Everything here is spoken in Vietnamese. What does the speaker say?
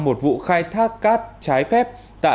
một vụ khai thác cát trái phép